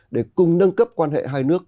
để cùng nâng cấp quan hệ hai nước